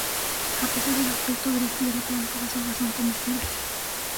A pesar del aspecto agreste de la planta, las hojas son comestibles.